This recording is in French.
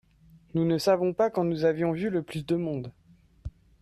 Nous ne savons pas quand nous avions vu le plus de monde.